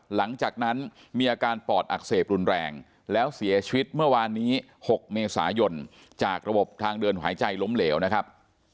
หลังจากนั้นมีอาการปอดอักเสบรุนแรงแล้วเสียชีวิตเมื่อวานนี้๖เมษายนจากระบบทางเดินหายใจล้มเหลวนะครับ